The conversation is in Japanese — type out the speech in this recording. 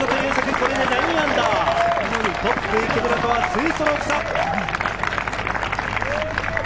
これで−９、トップ池村とは２ストローク差。